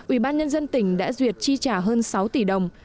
ủy ban nhân dân tỉnh đã duyệt chi trả hơn sáu tỷ đồng